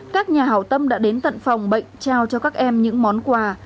các nhà hào tâm đã đến tận phòng bệnh trao cho các em những món quà